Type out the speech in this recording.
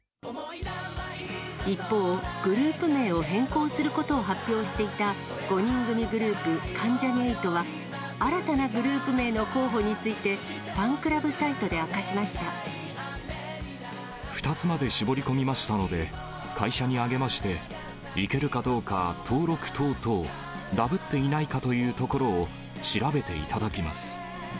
一方、グループ名を変更することを発表していた５人組グループ、関ジャニ∞は、新たなグループ名の候補について、ファンクラブサイトで明かしまし２つまで絞り込みましたので、会社に上げまして、いけるかどうか登録等々、ダブっていないかというところを調べていただきます。